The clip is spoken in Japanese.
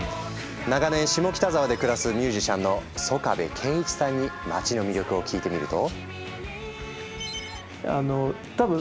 長年下北沢で暮らすミュージシャンの曽我部恵一さんに街の魅力を聞いてみると。